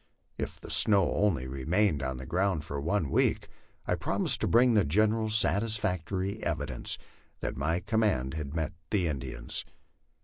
If the snow only remained on the ground one week, I promised to bring the General satisfactory evidences that my command had met the Indians.